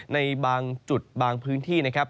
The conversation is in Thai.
ในบางจุดบางพื้นที่นะครับ